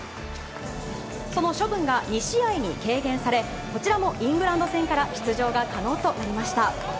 その処分が２試合に軽減され、こちらもイングランド戦から出場が可能となりました。